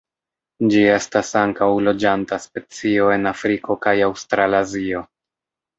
Ĝi estas ankaŭ loĝanta specio en Afriko kaj Aŭstralazio.